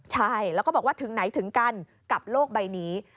ใช่แล้วก็บอกว่าถึงไหนถึงกันกับโลกใบนี้